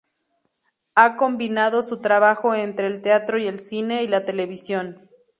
Ha combinado su trabajo entre el teatro el cine y la televisión.